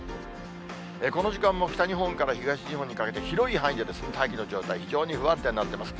この時間も北日本から東日本にかけて、広い範囲にかけて大気の状態、非常に不安定になってます。